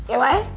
iya pak ya